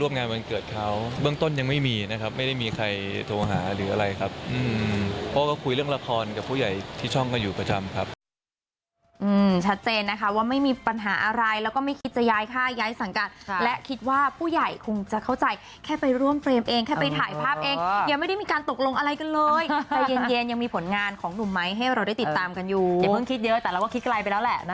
เพราะก็คุยเรื่องละครกับผู้ใหญ่ที่ช่องกันอยู่ประจำครับ